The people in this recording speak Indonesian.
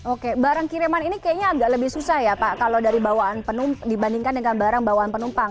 oke barang kiriman ini kayaknya agak lebih susah ya pak kalau dari bawaan penumpang dibandingkan dengan barang bawaan penumpang